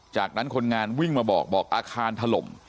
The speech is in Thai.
จากนั้นคนงานวิ่งมาบอกบอกอาคารถล่ม